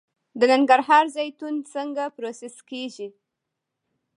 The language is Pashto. د ننګرهار زیتون څنګه پروسس کیږي؟